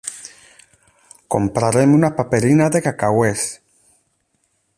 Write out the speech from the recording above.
Comprarem una paperina de cacauets.